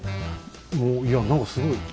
もういや何かすごい。